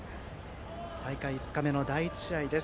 大会５日目の第１試合です。